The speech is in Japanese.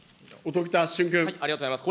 ありがとうございます。